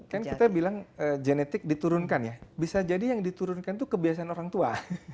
kan kita bilang genetik diturunkan ya bisa jadi yang diturunkan itu kebiasaan orang tua